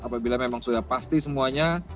apabila memang sudah pasti semuanya